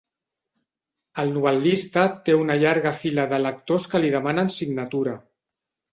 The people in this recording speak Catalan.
El novel·lista té una llarga fila de lectors que li demanen signatura.